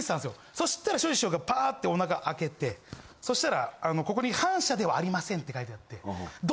そしたらショージ師匠がパーッてお腹あけてそしたらここに「反社ではありません」って書いてあって。